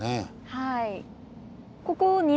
はい。